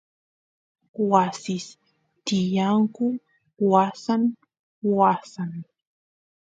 wasis tiyanku wasan wasan